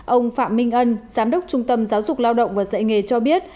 ông phạm minh ân giám đốc trung tâm giáo dục lao động và dạy nghề cho biết